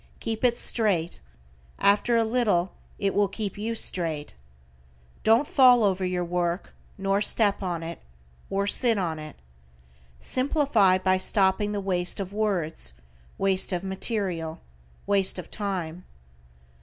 Keep it straight, after a little it will keep you straight. Don't fall over your work, nor step on it, or sit on it. Simplify by stopping the waste of words, waste of material, waste of time.